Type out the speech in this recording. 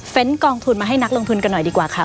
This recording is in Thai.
เป็นกองทุนมาให้นักลงทุนกันหน่อยดีกว่าค่ะ